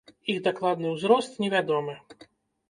Іх дакладны ўзрост невядомы.